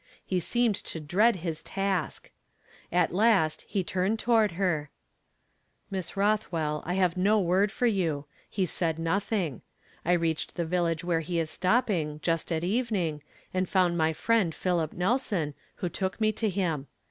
He seemed to dread his task. At last he turned toward her: " Miss Rothv/ell, I have no word for you ; he said nothing. I reached the village where he is stopping, just at evening, and found my friend Philip Nelson, who took me to him.